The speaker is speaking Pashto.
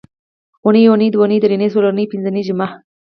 اونۍ، یونۍ، دونۍ، درېنۍ، څلورنۍ، پینځنۍ، جمعه